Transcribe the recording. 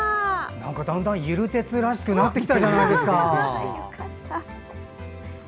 だんだんゆる鉄らしくなってきたんじゃないですか？